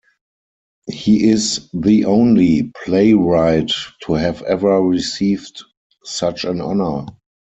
He is the only playwright to have ever received such an honor.